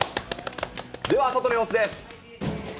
では外の様子です。